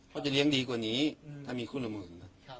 เพราะจะเลี้ยงดีกว่านี้ถ้ามีคู่ละหมื่นนะ